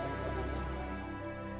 bersama dengan ketua pembangunan pemerintah